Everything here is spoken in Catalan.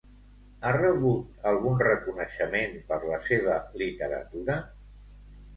Ha rebut algun reconeixement per la seva literatura?